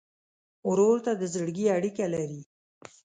ورور ته د زړګي اړیکه لرې.